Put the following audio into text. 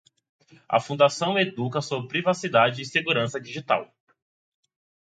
A fundação educa sobre privacidade e segurança digital.